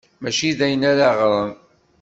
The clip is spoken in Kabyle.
Mačči d ayen ara ɣren.